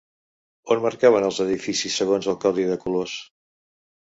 On marcaven els edificis segons el codi de colors?